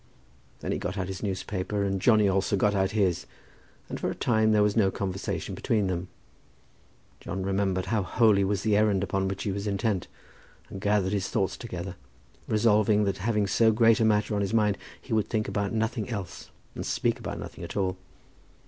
Then he got out his newspaper, and Johnny also got out his, and for a time there was no conversation between them. John remembered how holy was the errand upon which he was intent, and gathered his thoughts together, resolving that having so great a matter on his mind he would think about nothing else and speak about nothing at all.